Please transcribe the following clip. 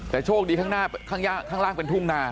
แต่โชคดีข้างล่างเป็นทุ่งนา